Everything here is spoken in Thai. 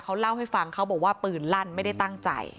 เขาเล่าให้ฟังเขาบอกว่าปืนลั่นไม่ได้ตั้งใจ